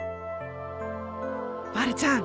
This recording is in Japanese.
まるちゃん！